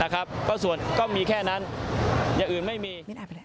ก็มีแค่นั้นอย่างอื่นไม่มี